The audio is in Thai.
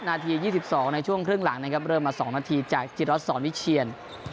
นาที๒๒ในช่วงครึ่งหลังนะครับเริ่มมา๒นาทีจากจิรัสสอนวิเชียน